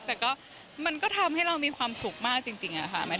แต่ก็มันก็ทำให้เรามีความสุขมากจริงค่ะ